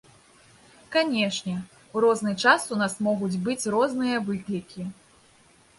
Канешне, у розны час у нас могуць быць розныя выклікі.